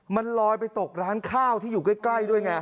มันลอยไปตกร้านข้าวที่อยู่ใกล้ด้วยไง